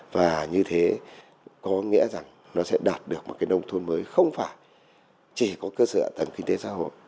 và như thế có nghĩa rằng nó sẽ đạt được một nông thuân mới không phải chỉ có cơ sở ạ tầng kinh tế xã hội